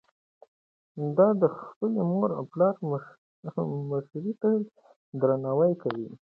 ده د خپلې مور او پلار مشورې ته درناوی کوي.